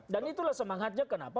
dan itulah semangatnya kenapa